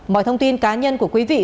mọi thông tin cá nhân của quý vị